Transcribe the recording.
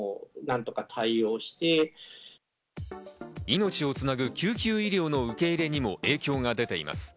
命をつなぐ救急医療の受け入れにも影響が出ています。